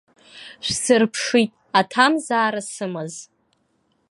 Шәсырԥшит, аҭамзаара сымаз.